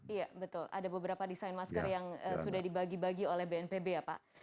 iya betul ada beberapa desain masker yang sudah dibagi bagi oleh bnpb ya pak